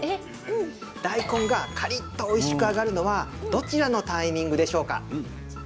大根がカリっとおいしく揚がるのはどちらのタイミングでしょうか？